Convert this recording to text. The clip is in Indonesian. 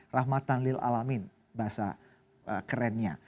rahmatan lil'alamin bahasa kerennya